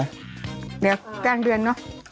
เนี่ยแกล้งเดือนแล้ว